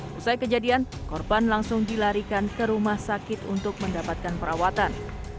setelah kejadian korban langsung dilarikan ke rumah sakit untuk mendapatkan perawatan